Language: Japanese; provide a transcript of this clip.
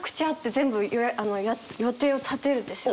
全部予定を立てるんですよ！